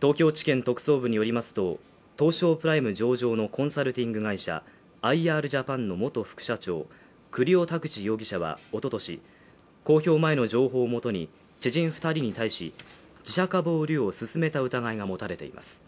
東京地検特捜部によりますと、東証プライム上場のコンサルティング会社アイ・アールジャパンの元副社長栗尾拓磁容疑者はおととし、公表前の情報をもとに、知人２人に対し、自社株を売りをすすめた疑いが持たれています